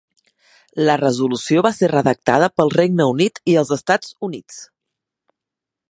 La resolució va ser redactada pel Regne Unit i els Estats Units.